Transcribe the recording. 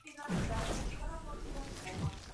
موږ بايد د پخو جريانونو په غنا کي ثبات پيدا کړو.